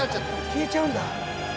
消えちゃうんだ。